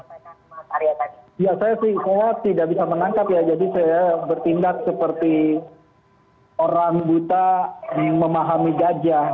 saya sih saya tidak bisa menangkap ya jadi saya bertindak seperti orang buta yang memahami gajah